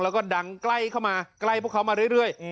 แล้วก็ดังใกล้เข้ามาใกล้พวกเขามาเรื่อย